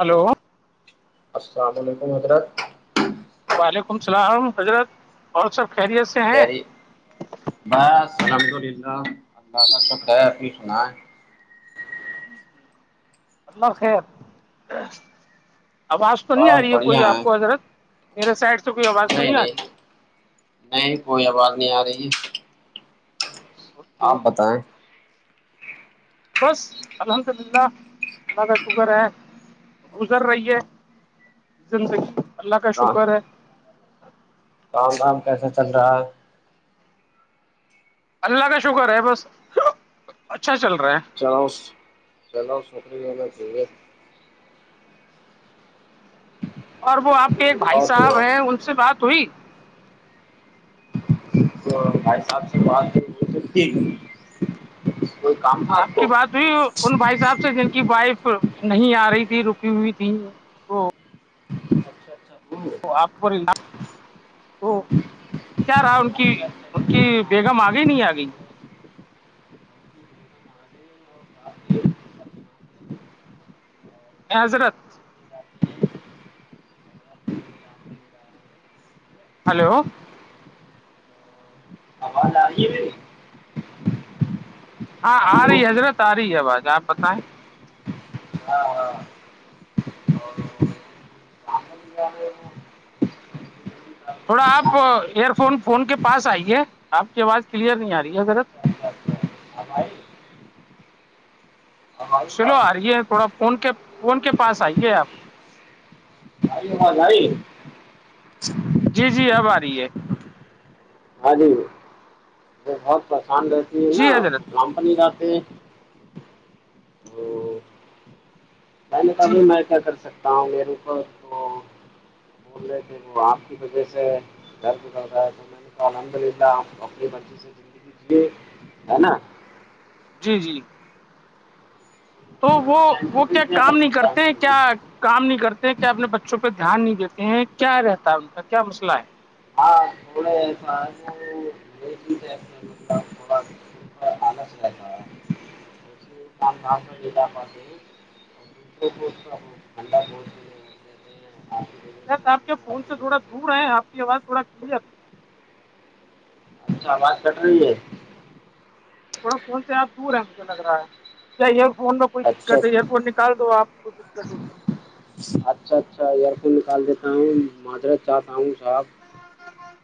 Hello السلام علیکم حضرت وعلیکم السلام حضرت اور سب خیریت سے ہیں خری بس الحمد ال للہ اللہ کا شکر ہےپ سنا اللہ خیر آواز تو نہیں آ بس رہی ہے بڑھیا کوئی آپ ہیں کو حضرت میرے سائڈ سے کوئی آواز تو نہیں آ رہی ہے نہیں کوئی آواز نہیں آ رہی ہے اوکے آپ بتا ہے بس الحمد للہ اللہ کا شکر ہے گزر رہی ہے زندگی اللہ کا شکر ہے آم وم کیسا چل رہا ہے اللہ کا شکر ہے بس اچھا چل رہا ہے چلاؤ چلاؤ شکری ویرہ چاہیے اور وہ آپ کے ایک بھائی اور صاحب ہیں سناؤ ان سے بات ہوئی تو بھائی صاحب سے باتتی آپ کی بات ہوئی ان بھائی صاحب سے جن کی وائف نہیں آ رہی تھی رکی ہوئی تھی اچھا اچھا وہ تو آپ کو کیا رہا ان کی اچھا ان اچھا کی بیگم آ گئی نہیں آ گئی حضرت ہلو ال یہ ہاں آ رہی ہے حضرت آ رہی ہے آ باز آپ بتائیں ہاں ہاں [inaudible] تھوڑا آپ ایئر فون فون کے پاس آئیے آپ کی آواز کلیئر نہیں آ رہی ہے ضرت چلو آ رہیے تھوڑا فون کے فون کے پاس آئیے آپ جائی جی جی اب آ رہی ہے ہاں جی وہ بہت پریشان رہتی ہے نا جی حضرت کاام پ نہیں جاتتے میں نے جی کہبھائی میں کیا کر سکتا ہوں میرےوپ تو بول رہے تھے وہ آپ کی وجہ سے درد ازر رہا ہے الحمد للہ اپنی بچی سے زگی جیے ہے نا جی جی تو وہ میں وہ انٹرویو کیا کر کام نہیں سکتا ہوں کرتے کبھی کیا کام نہیں کرتے ہیں کیا اپنے بچوں پہ دھیان نہیں دیتے ہیں کیا رہتا ہے ان کا کیا مسئلہ ہے ہاں تھوڑے ایسا ہے تھوڑا [inaudible] م نہ ج م ھنڈا ب ا آ کے آپ فون کی سے تھوڑا دور وجہ ہے آ کی آواز تھوڑا کلیئرب اچھا آواز کٹ رہی ہے تھڑا فون سے آپ دور ہیں مجھے لگ رہا ہے کیا ایئر فون کوئی اچھا دقت ایئرپورٹ نکال دو آپ کوئی دقت ہو اچھا اچھا ایئر فون نکال دیتا ہوں مادرس چاہتا ہوں صاحب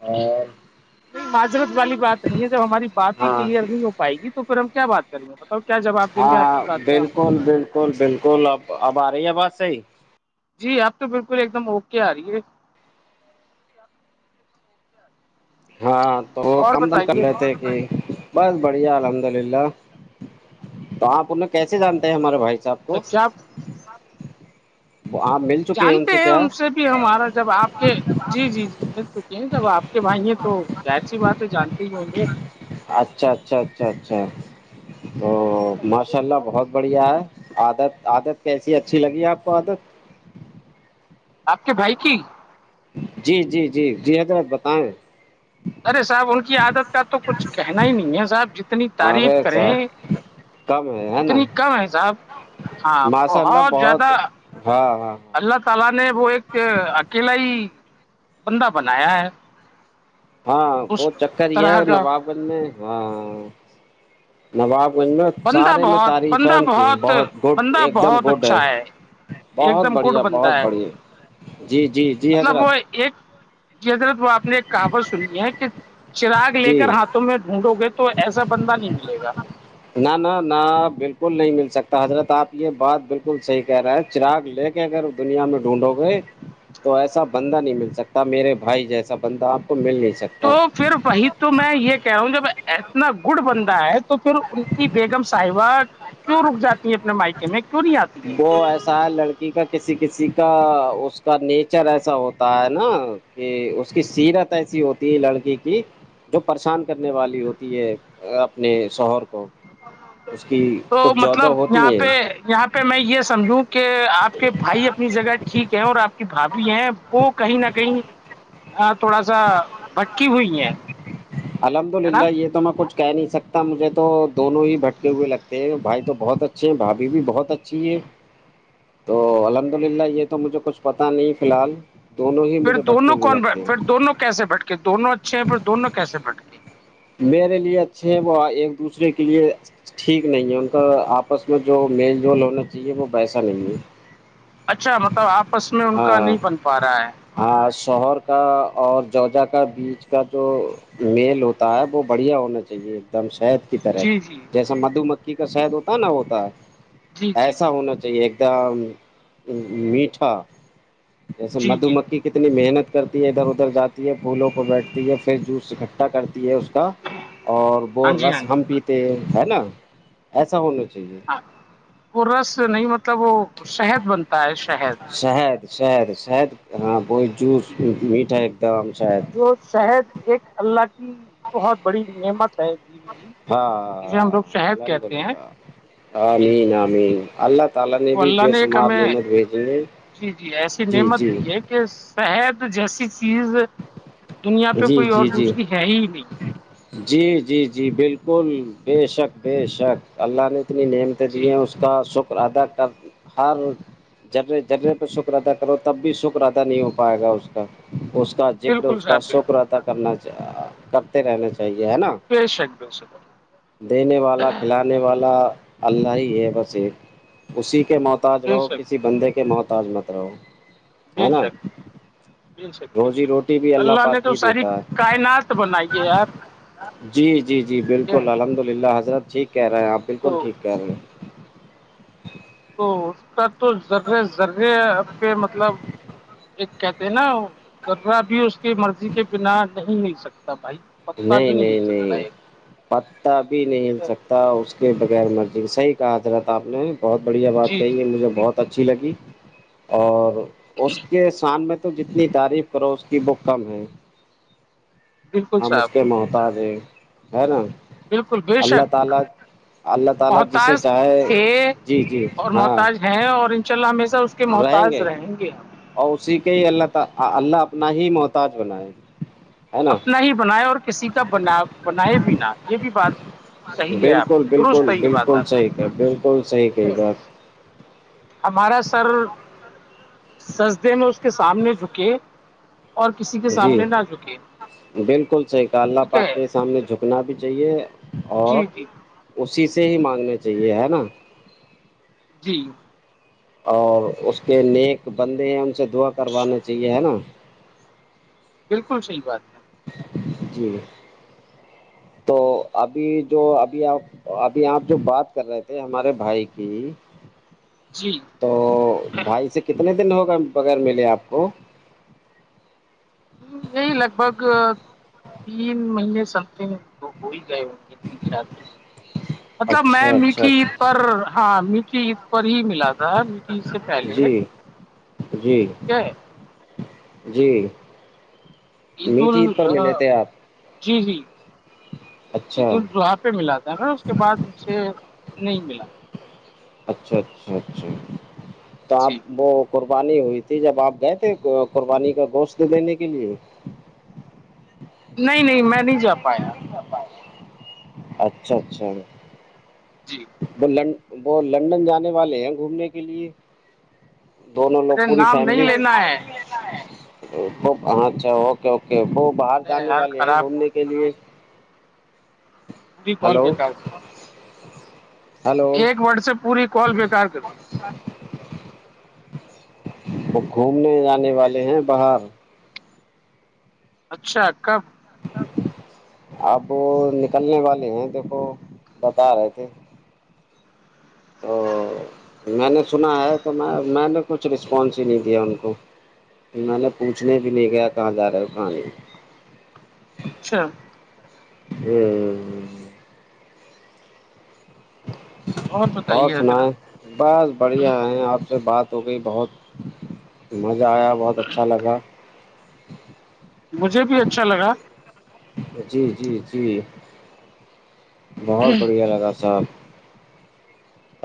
اور نہیں معذرت والی بات نہیں ہے جب ہماری بات ہی ہاں کلیئر نہیں ہو پائے گی تو پھر ہم کیا بات کریں گے تو کیا جواب دیں ہاں گے آپ ہاں کی بات کا بالکل بالکل بالکل اب اب آ رہی ہےواز صحی جی آپ تو بالکل ایک دم اوکے آ رہی ہے ہاں تو وہ اور کم دن کر بتائیے لیتے کہ بس بڑھیا الحمد للہ تو آپ انہیں کیسے جانتے ہیں ہمارے بھائی صاحب اچھا آپ آپ مل جانتے ہیں ان سے بھی ہمارا جب آپ کے جی جی جی مل چکی ہیں جب آپ کے بھائی ہیں تو کیا ایسی بات ہے جانتے ہی ہوں گے اچھا اچھا اچھا اچھا تو ماشاء اللہ بہت بڑھیا ہے عادت عادت کیسی اچھی لگی ہے آپ کو عادت آپ کے بھائی کی جی جی جی جی حضرت بتائیں ارے صاحب ان کی عادت کا تو کچھ کہنا ہی نہیں ہے صاحب جتنی تعریف ارے کریں صاحب کم ہے ہے نا اتنی کم ہے صاحب ہاں بہت زیادہ و و اللہ تعالی نے وہ ایک اکیلا ہی بندہ بنایا ہے ہاں وہ اس چکر یہ طرح ہے کا نواب گنج میں ہاں نواب گنج میں بندہ سارے میں بہت تعریف ہے بندہ ان کی بہت گڈ بندہ ایک دم بہت گڈ ہے اچھا ایک بہت دم گڈ بڑھیا بندہ بہت ہے بڑھیا جی جی جی مطلب حضرت وہ ایک جی حضرت وہ آپ نے ایک کہاوت سنی ہے کہ چراغ لے کر جی ہاتھ ڈھونڈو گے تو ایسا بندہ نہیں ملے گا ن نہ نہ بالکل نہیں مل سکتا حضرت آپ یہ بات بالکل صحیح کہہ رہے ہیں چراغ لے کے اگر دنیا میں ڈھونڈو گے تو ایسا بندہ نہیں مل سکتا میرے بھائی جیسا بندہ آپ کو مل نہیں سکتا تو پھر وہی تو میں یہ کہہ رہا ہوں جب اتنا گڈ بندہ ہے تو پھر بیگم صاحبہ کیوں رک جاتی ہیں اپنے مائکے میں کیوں نہیں آتی ہے وہ ایسا ہے لڑکی کا کسی کسی کا اس کا نیچر ایسا ہوتا ہے نا کہ اس کی سیرت ایسی ہوتی ہے لڑکی کی جو پریشان کرنے والی ہوتی ہے اپنے شوہر کو اس کی تو کچھ جوجہ مطلب ہوتی یہاں ہیں پہ یہاں پہ میں یہ سمجھوں کہ آپ کے بھائی اپنی جگہ ٹھیک اور آپ کی بھ بھی ہیں وہ کہیں نہ کہیں تھوڑا سا بکی ہوئی ہے الحمد نا للہ یہ تو میں کچھ کہہ نہیں سکتا مجھے تو دونوں ہی بھٹکے ہوئے لگتے ہیں بھائی تو بہت اچھے ہیں بھابھی بھی بہت اچھی ہے [inaudible] تو الحمد للہ یہ تو مجھے کچھ پتہ نہیں فی الحال دونوں ہی پھر مجھے بھٹکے دونوں ہوئے کونٹ لگتے پھر ہیں دونوں کیسے بٹ کے دونوں اچھے ہیں پھر دونوں کیسے بٹ کے میرے لیے اچھے وہ ایک دوسرے کے لیے ٹھیک نہیں ہے ان کا آپس میں جو میل جول ہونا چاہیے وہ پیسا نہیں ہے اچھا مطلب آپس میں ان کا ہاں نہیں بن پا رہا ہے شوہر کا اور ججہ کا بیچ کا جو میل ہوتا ہے وہ بڑھیا ہونا چاہیے ایک دم شاید طرح جی جی جیسا مدھ مکھی کا شہد ہوتا نا ہوتا ہے جی جی ایسا جی ہونا چاہیے ایک میٹھا جیسے جی مدھ جی کتنی محنت کرتی ہے ادھر ادھر جاتی ہے پھولوں کو بیٹھتی ہے پھر جوس اکٹھا کر ہے اس کا اور وہ ہاں جی ہاں رس جی ہم پیتے ہے نا ایسا ہونا چاہیے وہ رس نہیں مطلب وہ شہد بنتا ہے شہد شہد شہد شہد ہاں ب جوس میٹھا ہے ایک دم شہد تو شہد ایک اللہ کی بہت بڑی نعمت ہے دی ہوئی ہاں ہاں ہاں الحمد للہ جی آمین آمین اللہ تالا نے تو بھی اللہ بے ایک شمار ہمیں نعمت بھیجے جی جی ایسی جی جی نعمت دی ہے کہ شہد جیسی چیز دنیا پہ جی کوئی اور جی جی دوسری ہے ہی نہیں جی جی جی بالکل بے شک بے شک اللہ نے اتنی نعمتیں دی جی ہیں اس کو اس کا شکر ادا کر ہر جرے جرے پہ سک ادا کرو تب بھی سک ادا نہیں ہو پائے گا اس کا اس کا ذکر بالکل اس کا صاحب بالکل شکر کرنا کرتے رہنا چاہیے ہے نا کر شک دو دینے والا کھلانے والا اللہ ہی ہے بس ایک اسی کے موت محتاج بے رہو شک کسی بندے کے محتاج مت رہو ہے بے نا شک بے شک بے روزی روٹی بھی شک اللہ پاک نے تو ہی ساری دیتا ہے کائنات بنائی ہے یار ٹھیک جی جی جی ہے بالکل الحمد للہ حضرت ٹھیک کہہ رہے ہیں آپ تو بالکل ٹھیک کہہ رہے ہیں تو اس کا تو ذرہ ذرے اب پہ مطلب ایک کہتے ہیں نا دررہ بھی اس کی مرضی کے بنا نہیں مل سکتا بھائی پتا نہیں بھی مل نہیں سکتا نہیں ایک پتا بھی نہیں مل ٹھیک ہے؟ سکتا اس کے بغیر مرضی صحیح کہ حضرت آپ نے بہت بڑھیا بات جی کہی ہے جی مجھے بہت اچھی لگی اور اس کے سام میں تو جتنی تعریف کرو اس کی بک کم ہے بالکل ہم اس صاحب کے محتاجیں ہے نا بالکل بے اللہ شک تعالی اللہ تعالی جسے محتاج چاہے تھے جی جی اور ہاں محتاج ہیں اور ان شاء اللہ ہمیشہ اس کو کے محتاج رہیں گے ہم اور اسی کے ہی اللہ ت اللہ اپنا ہی محتاج بنائے ہے نا اپنا ہی بنائے اور کسی کا بنا بنائے بھی نہ یہ بھی بات صحیح ہے آپ بالکل درست بالکل ہے یہ بات بالکل آپ صحیح کا بالکل صحیح کی، ٹھیک کہی ہے بات ہمارا سر سسدے میں اس کے سامنے جھکے اور کسی کے جی سامنے نہ آ چکی بالکل صحیح کا اللہ پاک کے سامنے جھکنا بھی چاہیے اور جی جی اسی سے ہی مانگنے چاہیے ہے نا جی اور اس کے نیک بندے ہیں ان سے دعا کروانا چاہیے ہے نا بالکل صحی بات ہے جی تو ابھی جو ابھی آپ ابھی آپ جو بات کر رہے تھے ہمارے بھائی کی جی تو بھائی سے کتنے دن ہوگا بغیر ملے آپ کو ہ یہی لگ بھگ تین مہینے سم تھنگ تو ہو ہی گئے ہو مطلب میں اچھا اچھا میٹھی عید اچھا پر ہاں میٹی عید پر ہی ملا تھا میٹی سے پہلے جی جی ٹھیک ہے جی میٹ عید پر ملے تھے آپ جی جی اچھا عید الضحا پہ ملا تھا اس کے بعد مج سے نہیں ملا اچھا اچھا اچھا تو آپ جی وہ قربانی ہوئی تھی جب آپ گئے تھے قربانی کا گوشت دینے کے لیے نہیں نہیں میں نہیں جا پایا اچھا اچھا جی وہ ل وہ لندن جانے والے ہیں گھومنے کے لیے دونوں لوگ ارے پوری نام فیملی نہیں لینا ہے اچھا اوکے اوکے وہ تم باہر نے جانے ہر والے ہیں خراب گھومنے کے لیے پوری کال ہلو بیکار کر ہلو ایک وٹ سے پوری کال بےیکار کرتی وہ گھومنے جانے والے ہیں باہر اچھا کب اپ وہ نکلنے والے ہیں دیکھو بتا رہے تھے تو میں نے سنا ہے تو میں میں نے کچھ رسپانس ہی نہیں دیا ان کو میں نے پوچھنے بھی نہیں گیا کہاں جا رہے ہو کہاں نہیں اچھا ہوں اور بتائیے سنا حضرت ہے بس بڑھیا ہے آپ سے بات ہو گئی بہت مزہ آیا بہت اچھا لگا مجھے بھی اچھا لگا جی جی جی بہت بڑھیا لگا صاحب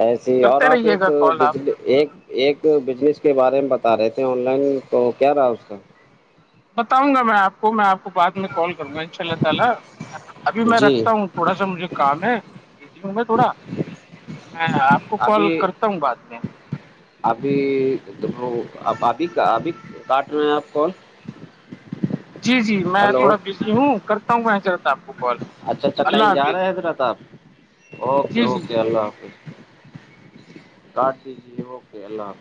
ایسیے ہی اور کرتے آپ رہیے ایک گا کال آپ بجلی ایک ایک بزنس کے بارے میں بتا رہے تھے آن لائن تو کیا رہا اس کا بتاؤں گا میں آپ کو میں آپ کو بعد میں کال کروں گا ان شاء اللہ تعالی ابھی میں جی رکھتا ہوں تھوڑا سا مجھے کام ہے بزی ہوں میں تھوڑا میں آپ کو کال ابھی کرتا ہوں بع میں ابھی توب ابھی ابھی کاٹ رہے ہیں آپ کال جی جی میں ہلو تھوڑا بزی ہوں کرتا ہوں کہ جلد آپ کو کال اچھا اچھا اللہ کہیں جا رہے ہے حافظ حضرات آ اوکے جی جی اوکے جی اللہ حافظ کاٹ دیجیے اوکے اللہ حافظ